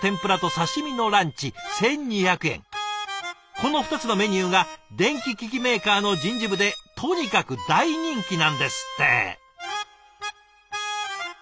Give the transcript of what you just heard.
この２つのメニューが電気機器メーカーの人事部でとにかく大人気なんですって。